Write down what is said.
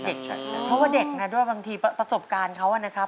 เพราะว่าเด็กนะด้วยบางทีประสบการณ์เขานะครับ